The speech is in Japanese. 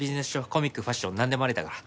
コミックファッションなんでもありだから。